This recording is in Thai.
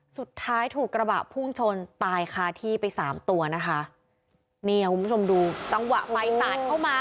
สุดท้ายถูกกระบะพุ่งชนตายคาที่ไปสามตัวนะคะนี่ค่ะคุณผู้ชมดูจังหวะไฟสาดเข้ามา